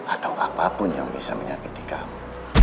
atau apapun yang bisa menyakiti kamu